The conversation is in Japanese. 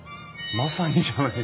まさにじゃないですか！